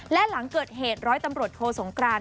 และหลังเกิดเหตุร้อยตำรวจโทสงกราน